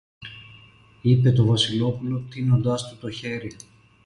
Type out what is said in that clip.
είπε το Βασιλόπουλο τείνοντας του το χέρι.